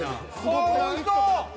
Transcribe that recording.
ああおいしそう！